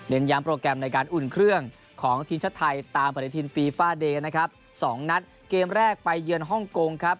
ย้ำโปรแกรมในการอุ่นเครื่องของทีมชาติไทยตามปฏิทินฟีฟาเดย์นะครับสองนัดเกมแรกไปเยือนฮ่องกงครับ